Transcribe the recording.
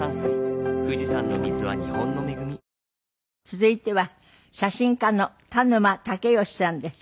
続いては写真家の田沼武能さんです。